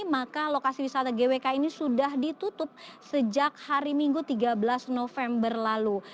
maka lokasi wisata gwk ini sudah ditutup sejak hari minggu tiga belas november lalu